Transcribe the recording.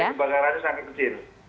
area kebakarannya sangat kecil